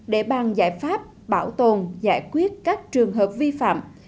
để bàn giải pháp bảo tồn giải quyết các trường hợp vi phạm